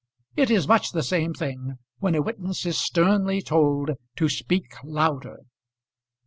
It is much the same thing when a witness is sternly told to speak louder.